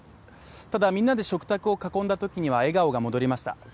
ただ、みんなで食卓を囲んだときには笑顔が戻りました。